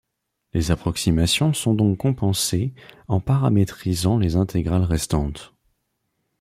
Les approximations sont donc compensées en paramétrisant les intégrales restantes.